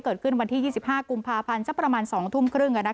เกิดขึ้นวันที่๒๕กุมภาพันธ์สักประมาณ๒ทุ่มครึ่ง